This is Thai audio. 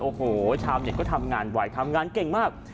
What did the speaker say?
โอ้โหชาวเน็ตก็ทำงานไวทำงานเก่งมาก